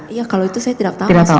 iya kalau itu saya tidak tahu